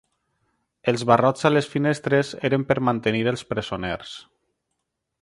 Els barrots a les finestres eren per mantenir els presoners.